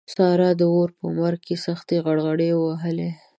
سارا د اور په مرګ کې سختې غرغړې ووهلې.